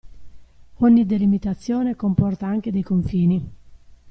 Ogni delimitazione comporta anche dei confini.